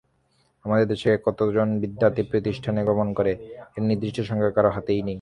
আমাদের দেশে কতজন বিদ্যার্থী শিক্ষাপ্রতিষ্ঠানে গমন করে—এর নির্দিষ্ট সংখ্যা কারও হাতেই নেই।